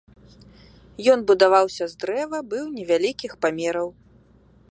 Ён будаваўся з дрэва, быў невялікіх памераў.